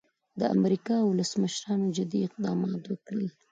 د امریکا ولسمشرانو جدي اقدامات وکړل.